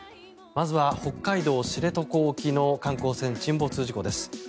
まずは北海道・知床沖の観光船沈没事故です。